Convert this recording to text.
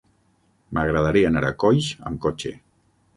M'agradaria anar a Coix amb cotxe.